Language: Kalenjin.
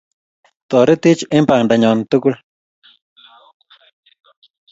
Toretech eng bandanyo tugul